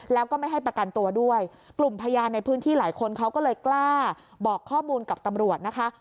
แล้วก็ไม่ให้ประกันตัวด้วยกลุ่มพยานในพื้นที่หลายคนเขาก็เลยกล้าบอกข้อมูลกับตำรวจนะคะ